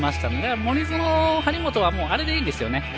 森薗、張本はあれでいいんですよね。